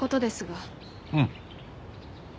うん。